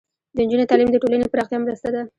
د نجونو تعلیم د ټولنې پراختیا مرسته ده.